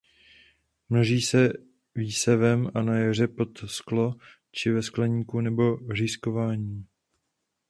Množí se výsevem na jaře pod sklo či ve skleníku nebo řízkováním.